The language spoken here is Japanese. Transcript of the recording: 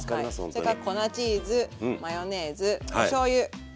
それから粉チーズマヨネーズおしょうゆです以上。